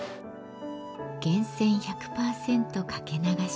源泉１００％かけ流し。